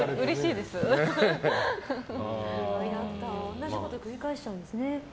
同じこと繰り返しちゃうんですね。